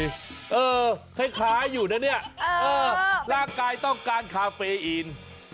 เหมือนอยู่นะเนี่ยร่างกายต้องการคาเฟอีน